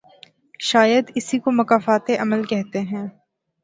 شاید اسی کو مکافات عمل کہتے ہیں۔